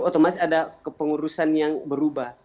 semasa ada pengurusan yang berubah